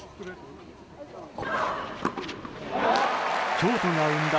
京都が生んだ